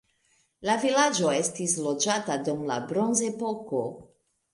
La vilaĝo estis loĝata dum la bronzepoko.